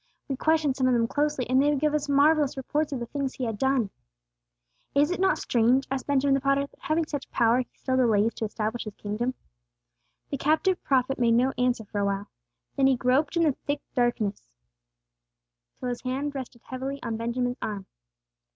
"We questioned some of them closely, and they gave us marvellous reports of the things He had done." "Is it not strange," asked Benjamin the potter, "that having such power He still delays to establish His kingdom?" The captive prophet made no answer for awhile. Then he groped in the thick darkness till his hand rested heavily on Benjamin's arm.